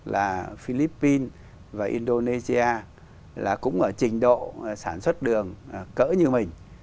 là philippines và indonesia là cũng ở trình độ sản xuất đường cỡ như mình